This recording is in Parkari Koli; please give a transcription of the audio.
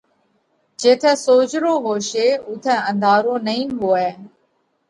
جيٿئہ سوجھرو هوشي اُوٿئہ انڌارو نئين هوئہ